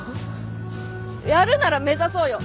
やるなら目指そうよ